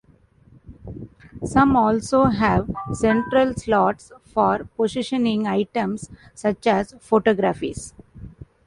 Some also have central slots for positioning items such as photographs.